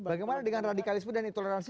bagaimana dengan radikalisme dan intoleransi